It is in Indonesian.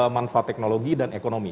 manfaat teknologi dan ekonomi